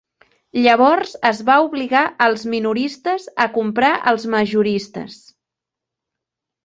Llavors es va obligar els minoristes a comprar als majoristes.